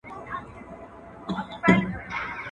انعامونه درکومه په سل ګوني.